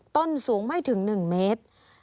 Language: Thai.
ต้นสูงไม่ถึง๑เมตร